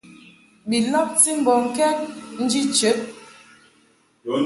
Bi lɔbti mbɔŋkɛd nji chəd.